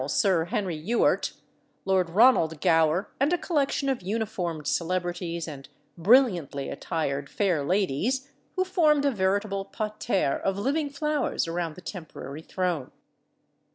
Sir Henry Ewart, Lord Ronald Gower, and a collection of uniformed celebrities and brilliantly attired fair ladies, who formed a veritable parterre of living flowers around the temporary throne.